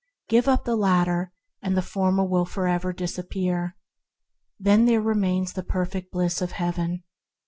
Give up the latter, and the former will always dis appear; there remains the perfect Bliss of Heaven.